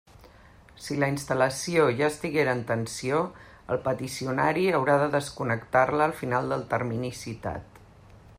Si la instal·lació ja estiguera en tensió, el peticionari haurà de desconnectar-la al final del termini citat.